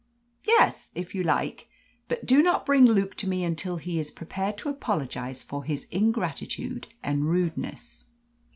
"Yes, if you like. But do not bring Luke to me until he is prepared to apologise for his ingratitude and rudeness."